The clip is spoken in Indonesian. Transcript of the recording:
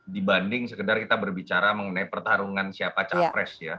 dibanding sekedar kita berbicara mengenai pertarungan siapa capres ya